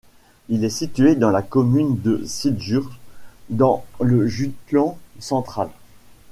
Il est situé dans la commune de Syddjurs dans le Jutland central.